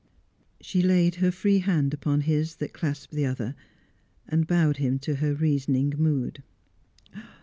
She laid her free hand upon his that clasped the other, and bowed him to her reasoning mood.